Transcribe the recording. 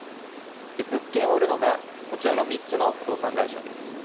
物件を売るのがこちらの３つの不動産会社です。